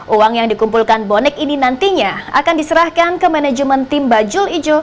uang yang dikumpulkan bonek ini nantinya akan diserahkan ke manajemen tim bajul ijo